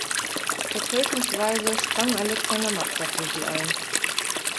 Vertretungsweise sprang Alexander Mazza für sie ein.